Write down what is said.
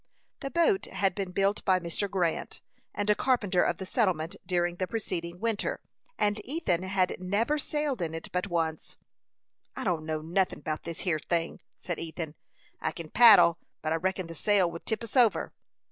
This boat had been built by Mr. Grant and a carpenter of the settlement during the preceding winter, and Ethan had never sailed in it but once. "I don't know nothin' about this hyer thing," said Ethan. "I kin paddle, but I reckon the sail would tip us over."